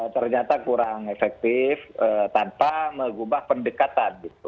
ternyata kurang efektif tanpa mengubah pendekatan